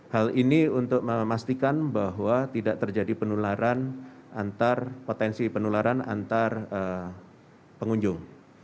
hal ini untuk memastikan bahwa tidak terjadi penularan antar potensi penularan antar pengunjung